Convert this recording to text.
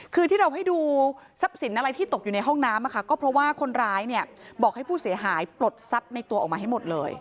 คือที่เราให้ดูทรัพย์สินอะไรที่ตกอยู่ในห้องน้ำก็เพราะว่าคนร้ายเนี่ยบอกให้ผู้เสียหายปลดทรัพย์ในตัวออกมาให้หมดเลย